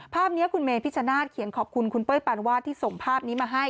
ภาพนี้คุณเมพิชนาธิเขียนขอบคุณคุณเป้ยปานวาดที่ส่งภาพนี้มาให้